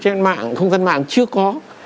trên không gian mạng chưa có